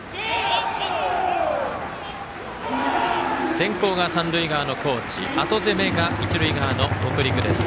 先攻が三塁側の高知後攻めが一塁側の北陸です。